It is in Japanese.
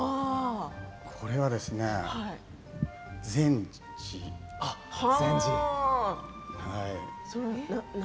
これはですね、善児。